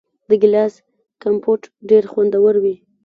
د ګیلاس کمپوټ ډیر خوندور وي.